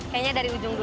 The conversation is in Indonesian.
kayaknya dari ujung dulu